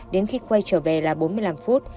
đến khi quay trở về là bốn mươi năm phút